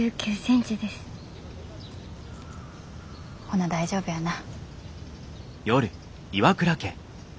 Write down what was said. ほな大丈夫やな。